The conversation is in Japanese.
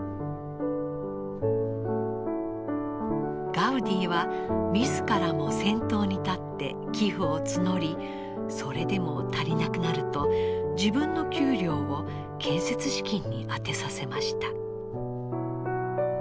ガウディは自らも先頭に立って寄付を募りそれでも足りなくなると自分の給料を建設資金に充てさせました。